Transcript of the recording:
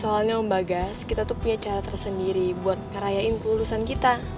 soalnya ombagas kita tuh punya cara tersendiri buat ngerayain kelulusan kita